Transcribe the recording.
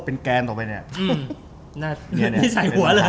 เป็นแกนต่อไปเนี่ย